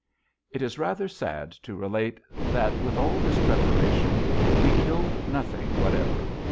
It is rather sad to relate that, with all this preparation, we killed nothing whatever.